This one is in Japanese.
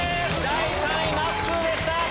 第３位まっすーでした！